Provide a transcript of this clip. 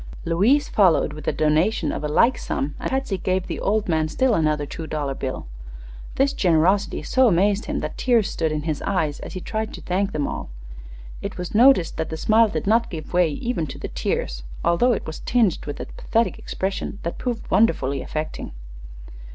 Louise followed with a donation of a like sum, and Patsy gave the old man still another two dollar bill. This generosity so amazed him that tears stood in his eyes as he tried to thank them all. It was noticed that the smile did not give way even to the tears, although it was tinged with a pathetic expression that proved wonderfully affecting.